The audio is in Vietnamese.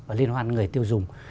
và liên quan đến người tiêu dùng